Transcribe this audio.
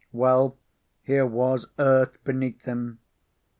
Well, here was Earth beneath him.